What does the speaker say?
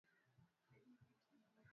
nikiamini u wangu